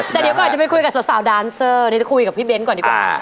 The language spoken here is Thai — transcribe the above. แต่เดี๋ยวก่อนจะไปคุยกับสาวดานเซอร์เดี๋ยวจะคุยกับพี่เบ้นก่อนดีกว่า